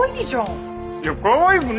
いやかわいくねえだろ。